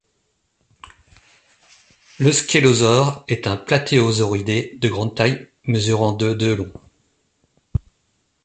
L'euskélosaure est un platéosauridé de grande taille, mesurant de de long.